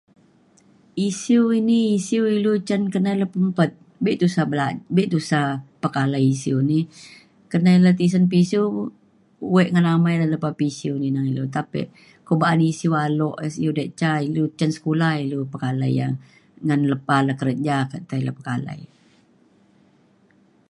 isiu ini isiu ilu cen kenai le pempet be' tusa bela be' tusa pekalai isiu ini. kenai le tisen pisiu we ngan amai re lepa pisiu kina ilu. tapi ko' ba'an isiu aluk isiu da ca ilu cen sekula ilu pekalai ia ngan lepa le kerja ketai le pekalai e.